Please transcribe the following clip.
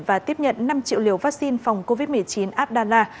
và tiếp nhận năm triệu liều vaccine phòng covid một mươi chín abdallah